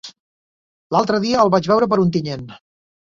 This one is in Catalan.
L'altre dia el vaig veure per Ontinyent.